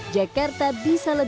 jakarta bisa ledakan